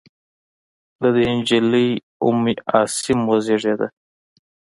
له دې نجلۍ ام عاصم وزېږېده.